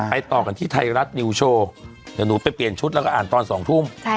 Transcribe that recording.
ต่อกันที่ไทยรัฐนิวโชว์เดี๋ยวหนูไปเปลี่ยนชุดแล้วก็อ่านตอน๒ทุ่ม